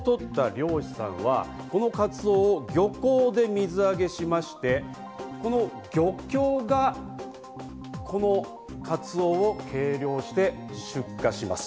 カツオを取った漁師さんはこのカツオを漁港で水揚げしまして、この漁協がカツオを計量して出荷します。